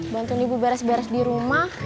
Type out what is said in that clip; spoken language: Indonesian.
bantuin ibu beres beres di rumah